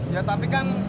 ya tapi kan